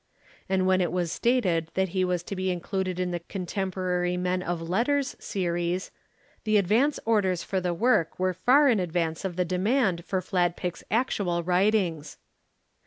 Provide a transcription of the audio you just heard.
And when it was stated that he was to be included in the Contemporary Men of Letters Series, the advance orders for the work were far in advance of the demand for Fladpick's actual writings.